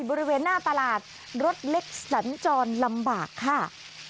บริเวณหน้าตลาดรถเล็กสัญจรลำบากค่ะ